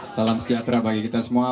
salam sejahtera bagi kita semua